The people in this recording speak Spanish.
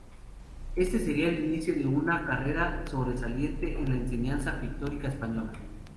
Este sería el inicio de una carrera sobresaliente en la enseñanza pictórica española.